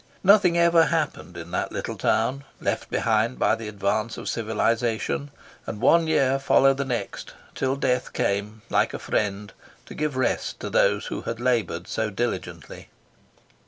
Nothing ever happened in that little town, left behind by the advance of civilisation, and one year followed the next till death came, like a friend, to give rest to those who had laboured so diligently.